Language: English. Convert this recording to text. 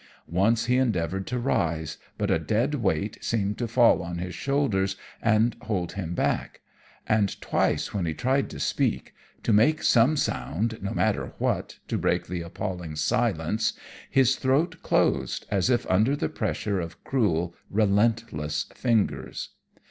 Once he endeavoured to rise, but a dead weight seemed to fall on his shoulders and hold him back; and twice, when he tried to speak to make some sound, no matter what, to break the appalling silence his throat closed as if under the pressure of cruel, relentless fingers.